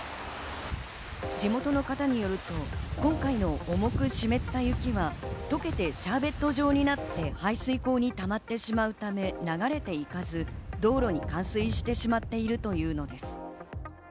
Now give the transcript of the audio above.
地元の方によると、今回の重く湿った雪は、溶けてシャーベット状になって排水口に溜まってしまうため、流れていかず道路に冠水してしまっているというのです。